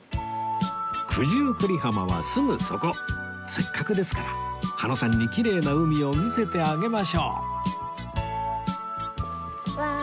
せっかくですから羽野さんにきれいな海を見せてあげましょうわい。